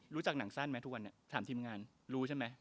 หนังสั้นไหมทุกวันนี้ถามทีมงานรู้ใช่ไหม